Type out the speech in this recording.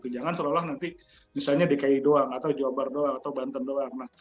jangan seolah olah nanti misalnya dki doang atau jawa barat doang atau banten doang